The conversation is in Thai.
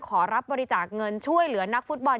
ขอรับบริจาคเงินช่วยเหลือนักฟุตบอล